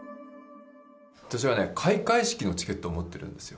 私はね、開会式のチケットを持っているんですよ。